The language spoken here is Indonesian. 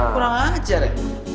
kurang ajar ya